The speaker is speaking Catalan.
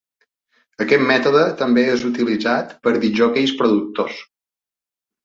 Aquest mètode també és utilitzat per discjòqueis productors.